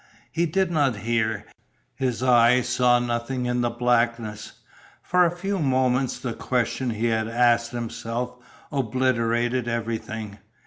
He did not hear. His eye saw nothing in the blackness. For a few moments the question he had asked himself obliterated everything.